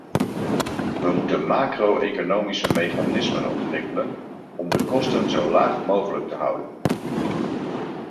We moeten macro-economische mechanismen ontwikkelen om de kosten zo laag mogelijk te houden.